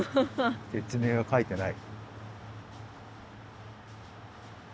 説明が書いてない。